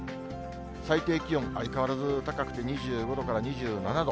最低気温、相変わらず高くて２５度から２７度。